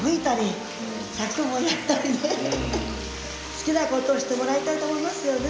好きなことをしてもらいたいと思いますよね。